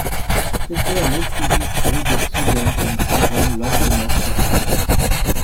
Später lebte sie zurückgezogen in ihrem Londoner Stadthaus.